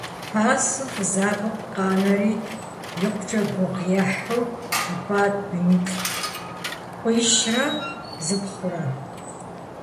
Пасэу фызабэу къанэри, икъукӀэ гугъу ехьу ипӀат быниплӀ: къуищрэ зыпхъурэ.